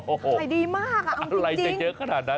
โอ้โหไข่ดีมากเอาจริงอะไรจะเยอะขนาดนั้น